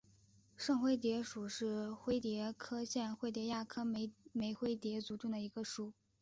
圣灰蝶属是灰蝶科线灰蝶亚科美灰蝶族中的一个属。